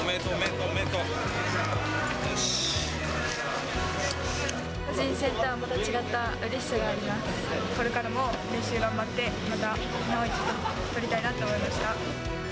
個人戦とはまた違ったうれしこれからも練習を頑張って、また日本一をとりたいなと思いました。